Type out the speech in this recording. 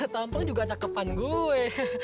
tampangnya juga cakepan gue